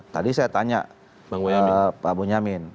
tadi saya tanya pak bonyamin